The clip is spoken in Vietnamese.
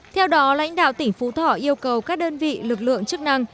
theo đó lãnh đạo tỉnh phú thọ yêu cầu các đơn vị lực lượng chức năng